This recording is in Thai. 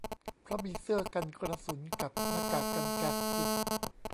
เพราะมีเสื้อกันกระสุนกับหน้ากากกันแก๊สพิษ